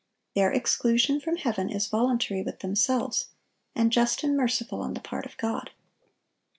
Their exclusion from heaven is voluntary with themselves, and just and merciful on the part of God.